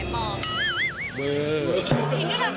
หิดกระบอกไม้ปลอม